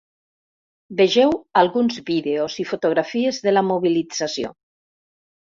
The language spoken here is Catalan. Vegeu alguns vídeos i fotografies de la mobilització.